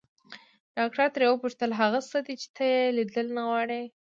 ډاکټر ترې وپوښتل هغه څه دي چې ته يې ليدل نه غواړې.